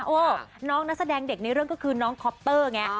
น้องนักแสดงเด็กในเรื่องก็คือน้องคอปเตอร์ไง